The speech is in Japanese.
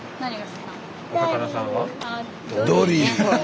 魚さんは？